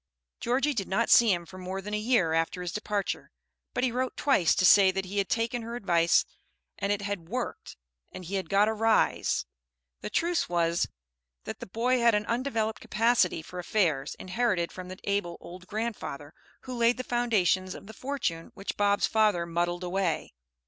Georgie did not see him for more than a year after his departure, but he wrote twice to say that he had taken her advice and it had "worked," and he had "got a rise." The truth was that the boy had an undeveloped capacity for affairs, inherited from the able old grandfather, who laid the foundations of the fortune which Bob's father muddled away.